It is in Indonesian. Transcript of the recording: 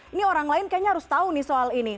ini orang lain kayaknya harus tahu nih soal ini